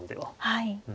はい。